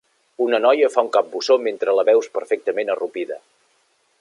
Una noia fa un capbussó mentre la veus perfectament arrupida.